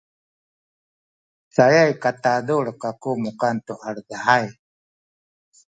cayay katalul kaku mukan tu aledahay